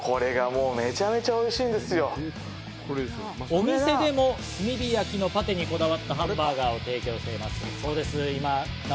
お店でも炭火焼きのパテにこだわったハンバーガーを提供しています。